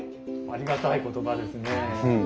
ありがたい言葉ですね。